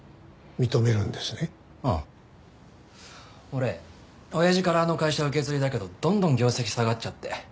俺親父からあの会社受け継いだけどどんどん業績下がっちゃって。